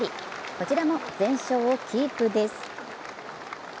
こちらも全勝をキープです。